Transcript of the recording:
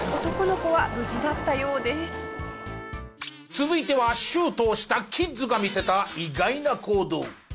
続いてはシュートをしたキッズが見せた意外な行動。